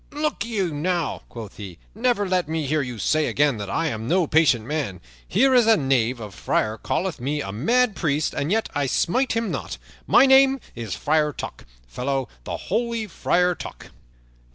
"Look you now," quoth he, "never let me hear you say again that I am no patient man. Here is a knave of a friar calleth me a mad priest, and yet I smite him not. My name is Friar Tuck, fellow the holy Friar Tuck."